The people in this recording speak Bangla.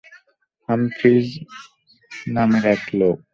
হামফ্রিজ নামের এক লোক।